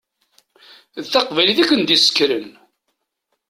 D taqbaylit i ken-id-yessekren.